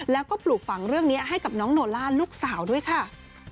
แล้วก็ปลูกฝังเรื่องนี้ให้กับน้องโนล่าลูกสาวด้วยค่ะ